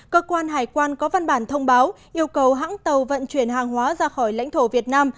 cơ quan hải quan có văn bản thông báo yêu cầu hãng tàu vận chuyển hàng hóa ra khỏi lãnh thổ việt nam